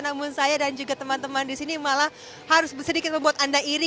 namun saya dan juga teman teman di sini malah harus sedikit membuat anda iri